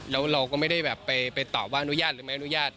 แล้วเราก็ไม่ได้แบบไปตอบว่าอนุญาตหรือไม่อนุญาต